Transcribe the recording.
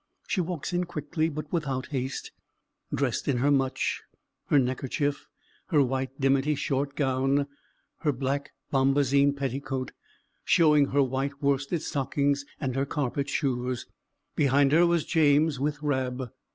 She walks in quickly, but without haste; dressed in her mutch, her neckerchief, her white dimity short gown, her black bombazine petticoat, showing her white worsted stockings and her carpet shoes. Behind her was James with Rab.